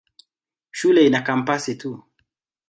Shule ina kampasi tatu.